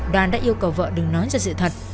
đoàn đã yêu cầu vợ đứng nói ra sự thật